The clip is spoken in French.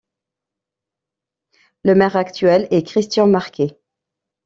Le maire actuel est Christian Marquet.